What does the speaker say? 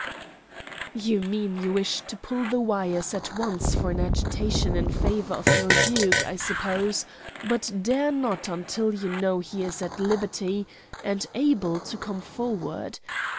"You mean you wish to pull the wires at once for an agitation in favor of your duke, I suppose, but dare not until you know he is at liberty and able to come forward.